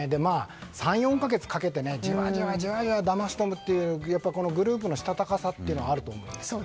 ３４か月かけてじわじわだまし取るというこのグループのしたたかさというのはあると思うんです。